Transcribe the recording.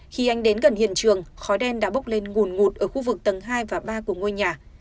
khi anh đến gần hiện trường khói đen đã bốc lên nguồn ngụt ở khu vực tầng hai và ba của ngôi nhà